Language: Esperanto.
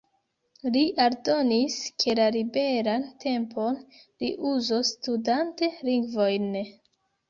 Li aldonis, ke la liberan tempon li uzos studante lingvojn.